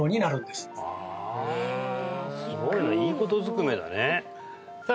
すごいないいことずくめだねさあ